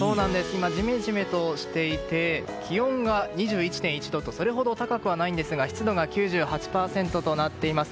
今、ジメジメとしていて気温が２１．１度とそれほど高くはないんですが湿度が９８％となっています。